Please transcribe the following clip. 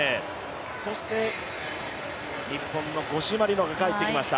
そして日本の五島莉乃が帰ってきました。